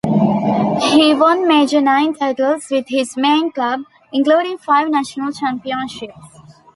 He won major nine titles with his main club, including five national championships.